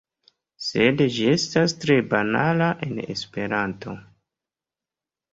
Sed ĝi estas tre banala en Esperanto.